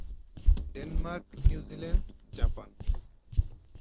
Denmark, New Zealand, Japan?